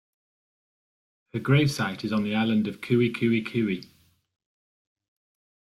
Her gravesite is on the island of KooeyKooeyKooey.